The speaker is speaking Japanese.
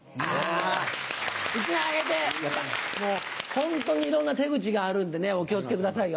ホントにいろんな手口があるんでお気を付けくださいよ。